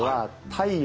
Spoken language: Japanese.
太陽。